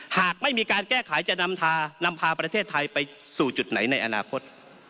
หากไม่มีการแก้ไขจะนำพาประเทศไทยไปสู่จุดไหนในอนาคต